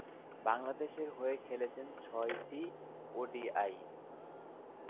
বাংলাদেশের হয়ে খেলেছেন ছয়টি ওডিআই।